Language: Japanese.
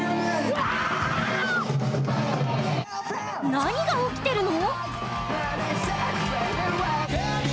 何が起きてるの？